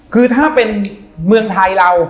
คือถ้าเป็นเมืองไทยเรา